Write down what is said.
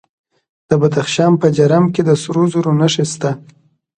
د بدخشان په جرم کې د سرو زرو نښې شته.